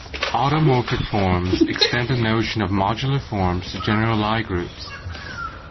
Automorphic forms extend the notion of modular forms to general Lie groups.